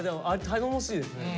頼もしいですね。